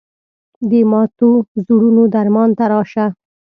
د ماتو زړونو درمان ته راشه